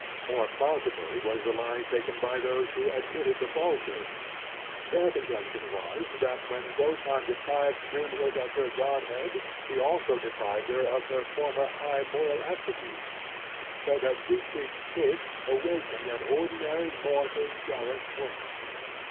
More plausible was the line taken by those who admitted the falsehood. Their contention was that when Wotan deprived Brynhild of her Godhead, he also deprived her of her former high moral attributes; so that Siegfried's kiss awakened an ordinary mortal jealous woman.